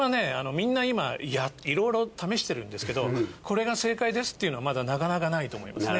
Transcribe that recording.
みんな今いろいろ試してるんですけどこれが正解ですっていうのはまだなかなかないと思いますね。